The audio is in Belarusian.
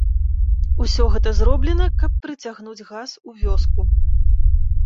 Усё гэта зроблена, каб прыцягнуць газ у вёску.